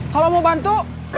kalo mau bantu